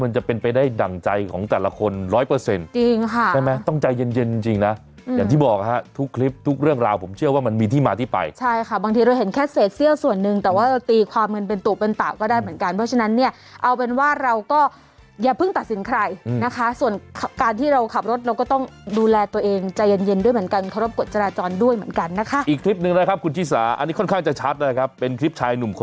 ใช่ค่ะบางทีเราเห็นแค่เซศเซียส่วนหนึ่งแต่ว่าตีความเงินเป็นตู่เป็นต่าก็ได้เหมือนกันเพราะฉะนั้นเนี่ยเอาเป็นว่าเราก็อย่าเพิ่งตัดสินใครนะคะส่วนการที่เราขับรถเราก็ต้องดูแลตัวเองใจเย็นด้วยเหมือนกันเคารพกฎจราจรด้วยเหมือนกันนะคะอีกคลิปหนึ่งนะครับคุณชิสาอันนี้ค่อนข้างจะชัดนะครับเป็นคลิป